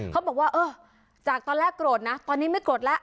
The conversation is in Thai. เขาบอกว่าเออจากตอนแรกโกรธนะตอนนี้ไม่โกรธแล้ว